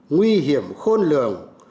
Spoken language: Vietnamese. nguy hiểm khôn lường